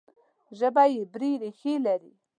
ژبه یې عبري ریښې لري.